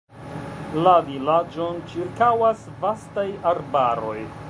La vilaĝon ĉirkaŭas vastaj arbaroj.